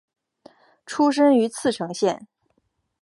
出身于茨城县。